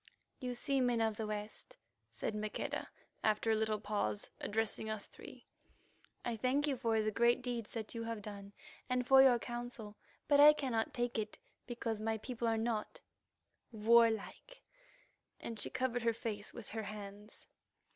"You see, men of the West!" said Maqueda after a little pause, addressing us three. "I thank you for the great deeds that you have done and for your counsel. But I cannot take it because my people are not—warlike," and she covered her face with her hands.